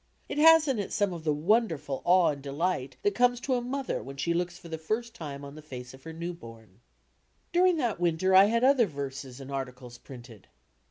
It has in it some of the wonderful awe and delight that conies to a mother v/hea she looks for the first time on the face of her first bom. During that winter I had other verses and articles printed.